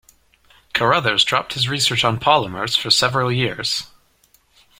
Carothers dropped his research on polymers for several years.